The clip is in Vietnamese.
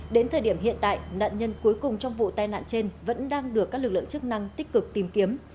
đến thời điểm hiện tại nạn nhân cuối cùng trong vụ tai nạn trên vẫn đang được các lực lượng chức năng tích cực tìm kiếm